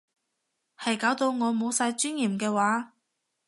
係搞到我冇晒尊嚴嘅話